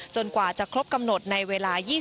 จนกว่าจะครบกำหนดในเวลา๒๑นาฬิกาค่ะ